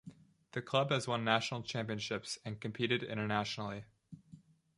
The club has won national championships and competed internationally.